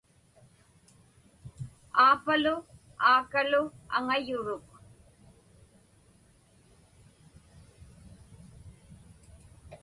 Aapalu aakalu aŋayuruk.